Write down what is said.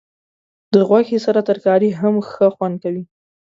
د غوښې سره ترکاري هم ښه خوند لري.